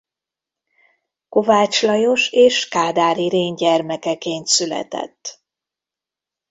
Kovács Lajos és Kádár Irén gyermekeként született.